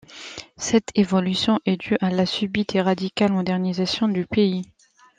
Cette évolution est due à la subite et radicale modernisation du pays.